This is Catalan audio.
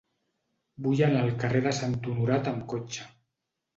Vull anar al carrer de Sant Honorat amb cotxe.